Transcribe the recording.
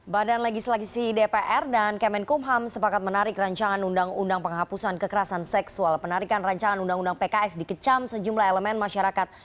badan legislasi dpr dan kemenkumham sepakat menarik ruu pks dikecam sejumlah elemen masyarakat